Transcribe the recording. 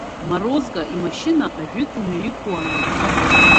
Морозко имашьына ажәытә мҩа иқәуаа ицон.